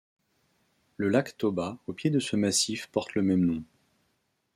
Le lac Toba au pied de ce massif porte le même nom.